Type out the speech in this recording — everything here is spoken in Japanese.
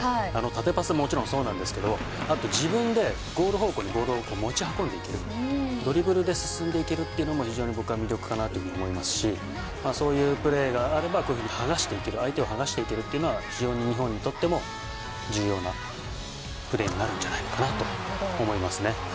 縦パスもそうなんですけどあと、自分でゴール方向にボールを持ち運んでいけるドリブルで進んでいけるというのも非常に僕は魅力かなと思いますしそういうプレーがあれば相手を剥がしていけるというのは非常に日本にとっても重要なプレーになるんじゃないのかなと思いますね。